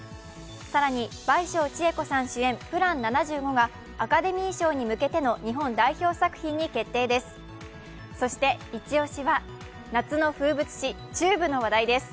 更に倍賞千恵子さん主演「ＰＬＡＮ７５」がアカデミー賞に向けての日本代表作品に決定です。